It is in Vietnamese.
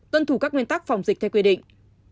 tuân thủ các nguyên tắc phòng dịch theo quy định